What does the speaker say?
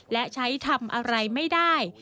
และใช้ทำอะไรไม่ได้